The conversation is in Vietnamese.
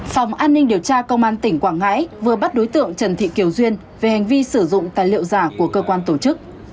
phòng an ninh điều tra công an tỉnh quảng ngãi vừa bắt đối tượng trần thị kiều duyên về hành vi sử dụng tài liệu giả của cơ quan tổ chức